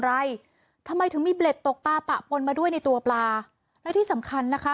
อะไรทำไมถึงมีเบล็ดตกปลาปะปนมาด้วยในตัวปลาและที่สำคัญนะคะ